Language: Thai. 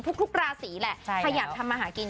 ทุกราศีแหละขยันทำมาหากิน